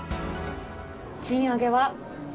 賃上げは？